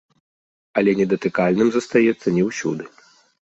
Але недатыкальным застаецца не ўсюды.